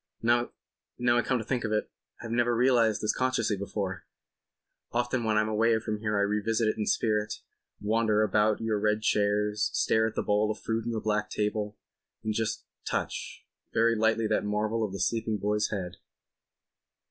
... Now I come to think of it—I've never realized this consciously before. Often when I am away from here I revisit it in spirit—wander about among your red chairs, stare at the bowl of fruit on the black table—and just touch, very lightly, that marvel of a sleeping boy's head."